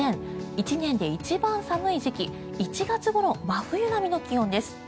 １年で一番寒い時期１月ごろ、真冬並みの気温です。